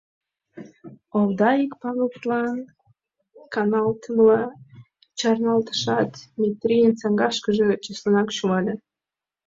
Овда ик пагытлан каналтымыла чарналтышат, Метрийын саҥгашкыже чеслынак шӱвале.